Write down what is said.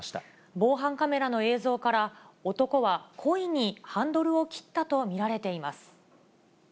防犯カメラの映像から、男は故意にハンドルを切ったと見られています。